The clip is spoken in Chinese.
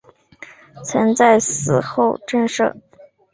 曾在其夫死后摄政。